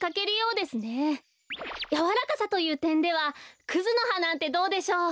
やわらかさというてんではクズのはなんてどうでしょう？